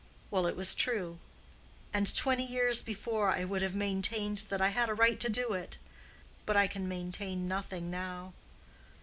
Well, it was true; and twenty years before I would have maintained that I had a right to do it. But I can maintain nothing now.